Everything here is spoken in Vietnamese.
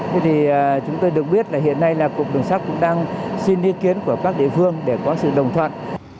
thế thì chúng tôi được biết là hiện nay là cục đường sắt cũng đang xin ý kiến của các địa phương để có sự đồng thuận